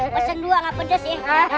pesan dua nggak pedes ya